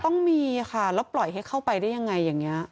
ต้องมีค่ะแล้วปล่อยให้เข้าไปได้ยังไงอย่างนี้